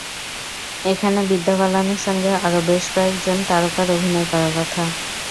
এখানে বিদ্যা বালানের সঙ্গে আরও বেশ কয়েকজন তারকার অভিনয় করার কথা।